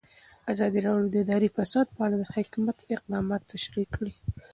ازادي راډیو د اداري فساد په اړه د حکومت اقدامات تشریح کړي.